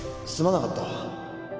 すまなかった。